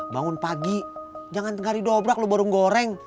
bangun pagi jangan tengah didobrak lo baru goreng